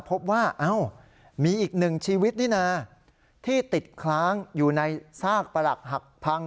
พบว่ามีอีกหนึ่งชีวิตนี่นะที่ติดค้างอยู่ในซากประหลักหักพัง